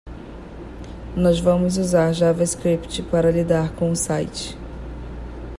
Nós vamos usar JavaScript para lidar com o site.